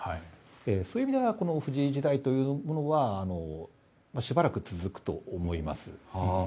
そういう意味では藤井時代というものはしばらく続くと思います。